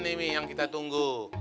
ini yang kita tunggu